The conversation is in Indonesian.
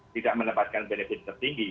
tidak menempatkan benefit tertinggi